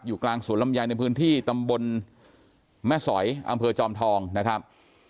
กลางสวนลำไยในพื้นที่ตำบลแม่สอยอำเภอจอมทองนะครับ